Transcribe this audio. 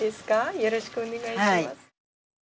よろしくお願いします。